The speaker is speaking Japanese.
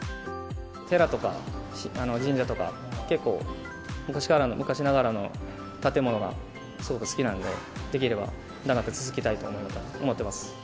寺とか神社とか、結構昔ながらの建物がすごく好きなので、できれば長く続きたいと思っています。